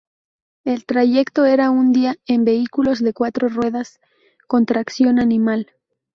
El trayecto era de un día en vehículos de cuatro ruedas con tracción animal.